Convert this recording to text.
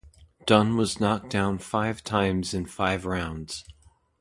Dunn was knocked down five times in five rounds.